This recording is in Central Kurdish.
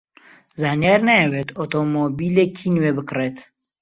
زانیار نایەوێت ئۆتۆمۆبیلێکی نوێ بکڕێت.